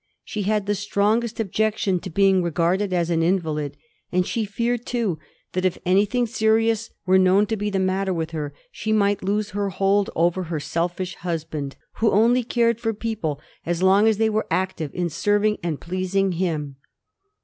She had the strongest objection to being re garded as an invalid; and she feared, too, that if anything serious were known to be the matter with her she might lose her hold over her selfish husband, who only cared for people as long as they were active in serving and pleasing him.